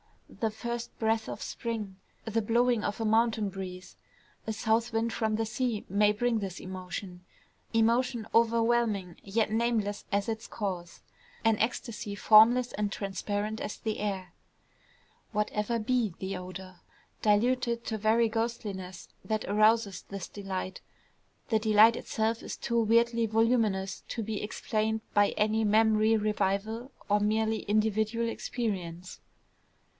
The first breath of spring, the blowing of a mountain breeze, a south wind from the sea may bring this emotion, emotion overwhelming, yet nameless as its cause, an ecstasy formless and transparent as the air. Whatever be the odor, diluted to very ghostliness, that arouses this delight, the delight itself is too weirdly voluminous to be explained by any memory revival of merely individual experience.